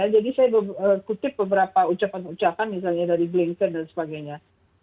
saya kutip beberapa ucapan ucapan misalnya dari blinker dan sebagainya